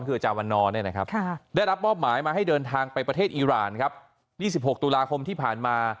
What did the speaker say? คืออาจารย์วันนอร์ได้รับมอบหมายมาให้เดินทางไปประเทศอีรานครับ๒๖ตุลาคมที่ผ่านมา